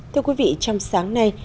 thưa quý vị trong sáng nay